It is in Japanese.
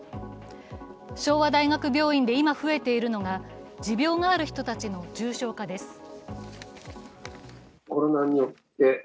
昭和大学病院で今増えているのが、持病がある人たちの重症化です。